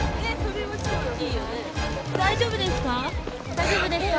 大丈夫ですか？